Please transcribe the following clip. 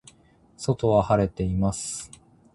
外は晴れています。